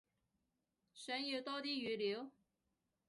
想要多啲語料？